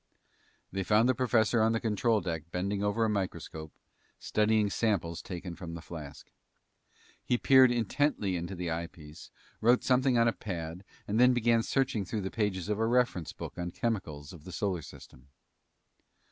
They found the professor on the control deck bending over a microscope, studying samples taken from the flask. He peered intently into the eyepiece, wrote something on a pad, and then began searching through the pages of a reference book on chemicals of the solar system.